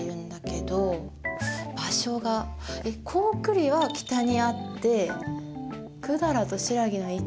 高句麗は北にあって百済と新羅の位置が。